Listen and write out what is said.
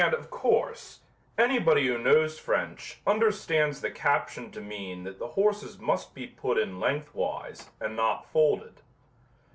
And, of course, anybody who knows French understands the caption to mean that the horses must be put in lengthwise and not folded.